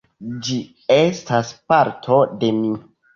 Ĝi estas parto de mi.